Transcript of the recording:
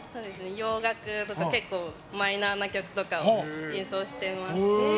洋楽とか結構マイナーな曲を演奏しています。